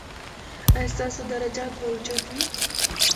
ایا ستاسو درجات به اوچت وي؟